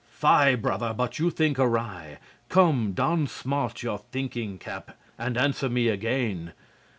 "Fie, brother, but you think awry. Come, don smart your thinking cap and answer me again.